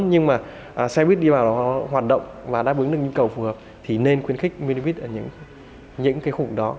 nhưng mà xe buýt đi vào đó hoạt động và đáp ứng được những cầu phù hợp thì nên khuyến khích mini biz ở những khu đó